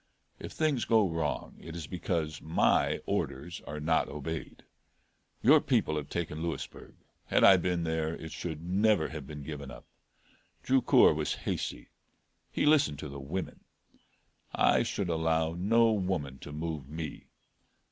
If things go wrong it is because my orders are not obeyed. Your people have taken Louisburg; had I been there, it should never have been given up. Drucour was hasty he listened to the women. I should allow no woman to move me.